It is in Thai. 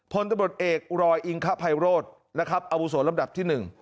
ผลตำรวจเอกรอยอิงคะไพโรธอาวุโสลำดับที่๑